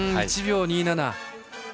１秒２７。